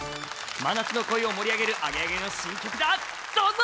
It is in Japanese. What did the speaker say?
真夏の恋を盛り上げるアゲアゲの新曲だどうぞ。